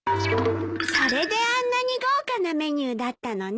それであんなに豪華なメニューだったのね。